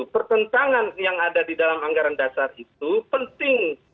pertentangan yang ada di dalam anggaran dasar itu penting